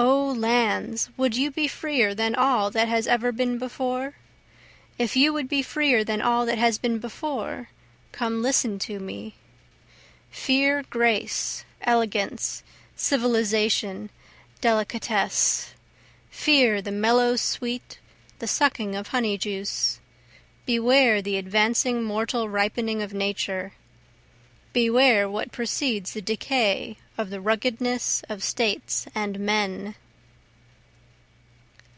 O lands, would you be freer than all that has ever been before? If you would be freer than all that has been before, come listen to me. Fear grace, elegance, civilization, delicatesse, Fear the mellow sweet, the sucking of honey juice, Beware the advancing mortal ripening of Nature, Beware what precedes the decay of the ruggedness of states and men.